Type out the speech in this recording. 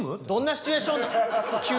どんなシチュエーションなん？